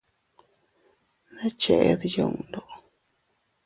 ¿Ne ched yundu?